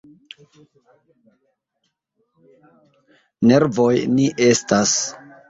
Nervoj ni estas.